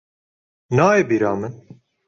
Nayê bîra min!